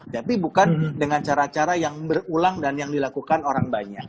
tapi bukan dengan cara cara yang berulang dan yang dilakukan orang banyak